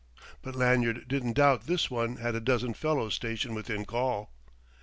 But Lanyard didn't doubt this one had a dozen fellows stationed within call....